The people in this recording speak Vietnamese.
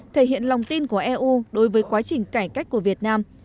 thể hiện lòng tin của eu đối với quá trình cải cách của việt nam